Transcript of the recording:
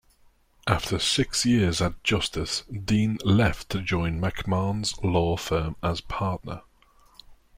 After six years at Justice, Dean left to join McMahon's law firm as partner.